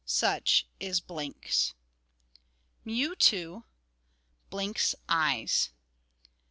Such is Blinks. MEW II. _Blinks's Eyes.